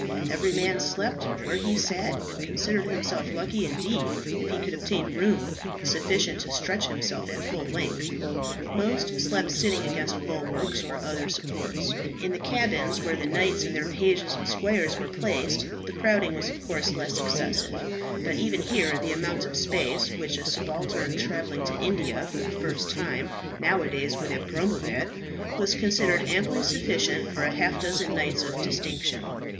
Every man slept where he sat, and considered himself lucky indeed if he could obtain room sufficient to stretch himself at full length. Most slept sitting against bulwarks or other supports. In the cabins, where the knights, their pages and squires, were placed, the crowding was of course less excessive, but even here the amount of space, which a subaltern travelling to India for the first time now a days would grumble at, was considered amply sufficient for half a dozen knights of distinction.